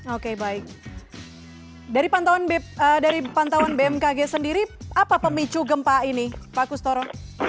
oke baik dari pantauan bmkg sendiri apa pemicu gempa ini pak kustoro